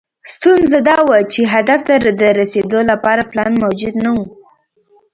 ستونزه دا وه چې هدف ته د رسېدو لپاره پلان موجود نه و.